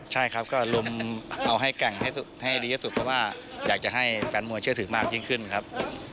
ใช่ครับก็ลุมเอาให้แกร่งให้ดีที่สุดเพราะว่าอยากจะให้แฟนมวยเชื่อถือมากยิ่งขึ้นครับ